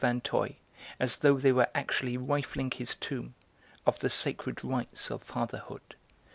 Vinteuil, as though they were actually rifling his tomb, of the sacred rights of fatherhood.